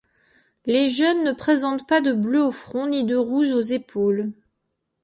Les jeunes ne présentent pas de bleu au front ni de rouge aux épaules.